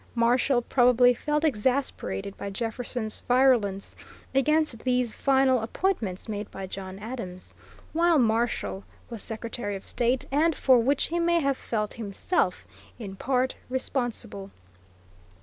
Marshall, probably, felt exasperated by Jefferson's virulence against these final appointments made by John Adams, while Marshall was Secretary of State, and for which he may have felt himself, in part, responsible.